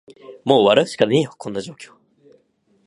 もう笑うしかねーよ、こんな状況